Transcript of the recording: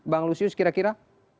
bang lusius kira kira